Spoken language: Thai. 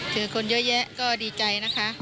คนเยอะแยะก็ดีใจนะคะ